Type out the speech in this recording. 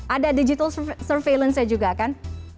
ada digital surveillance nya juga kan